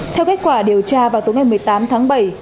theo kết quả điều tra vào tối ngày một mươi tám tháng bảy